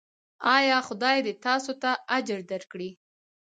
ایا خدای دې تاسو ته اجر درکړي؟